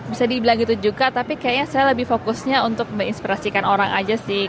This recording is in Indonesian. bisa dibilang itu juga tapi kayaknya saya lebih fokusnya untuk menginspirasikan orang aja sih